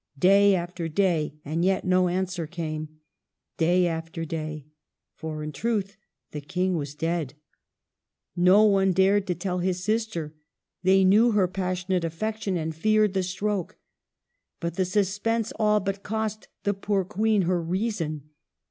Day after day, and yet no answer came ; day after day, — for, in truth, the King was dead. No one dared to tell his sister; they knew her passionate affection and feared the stroke. But the suspense all but cost the poor Queen her reason.